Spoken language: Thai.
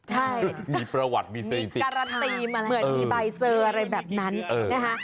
ใช่มีประวัติมีเซนติการันตีมาแล้วเหมือนมีใบเซอร์อะไรแบบนั้นนะคะ